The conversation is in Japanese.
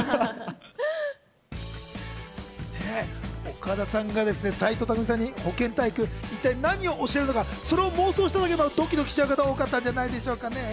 岡田さんが斎藤工さんに保健体育、一体何を教えるのか妄想しただけでドキドキしちゃう方が多かったんじゃないでしょうかね。